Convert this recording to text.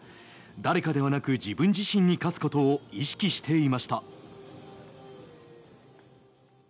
誰かではなく自分自身に勝つことを意識していました。